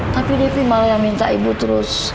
tapi devi malah yang minta ibu terus